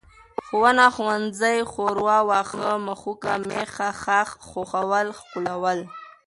ښوونه، ښوونځی، ښوروا، واښه، مښوکه، مېښه، ښاخ، ښخول، ښکلول